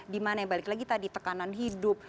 dimana yang balik lagi tadi tekanan hidup